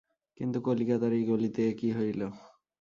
কিন্তু, কলিকাতার এই গলিতে এ কী হইল!